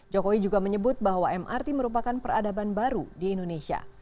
jokowi juga menyebut bahwa mrt merupakan peradaban baru di indonesia